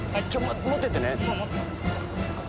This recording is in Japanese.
持っててね。